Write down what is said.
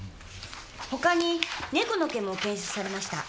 他に猫の毛も検出されました。